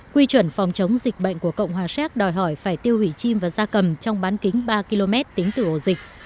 quy chuẩn phòng chống dịch bệnh của cộng hòa xét đòi hỏi phải tiêu hủy chim và da cầm trong bán kính ba km tính từ ổ dịch